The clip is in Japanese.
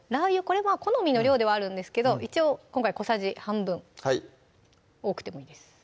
これは好みの量ではあるんですけど一応今回小さじ半分多くてもいいです